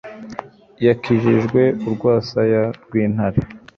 yakijijwe urwasaya rw'intare